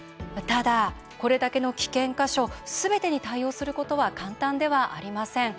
ただ、これだけの危険箇所すべてに対応することは簡単ではありません。